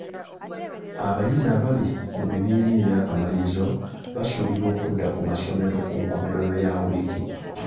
Abayizi abali mu bibiina eby'akamalirizo basuubirwa okudda ku masomero ku nkomerero ya wiiki.